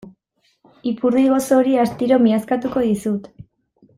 Ipurdi gozo hori astiro miazkatuko dizut.